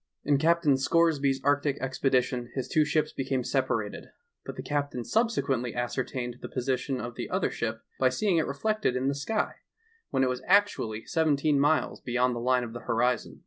In Captain Scoresby's arctie expedition his two ships became separated, but the captain subsequently ascertained the position of the other ship by seeing it reflected in the sky, when it was actually seventeen miles beyond the line of the horizon.